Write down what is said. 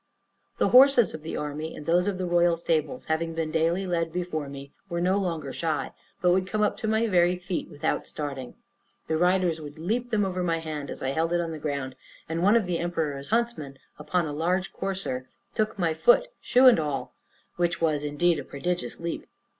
The horses of the army, and those of the royal stables, having been daily led before me, were no longer shy, but would come up to my very feet without starting, The riders would leap them over my hand as I held it on the ground, and one of the emperor's huntsmen, upon a large courser, took my foot, shoe and all; which was, indeed, a prodigious leap.